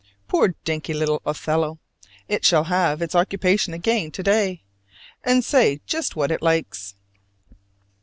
Poor dinky little Othello! it shall have its occupation again to day, and say just what it likes.